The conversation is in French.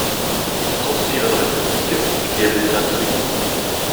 Il transpirait dans le public qu’il y avait des intrigues.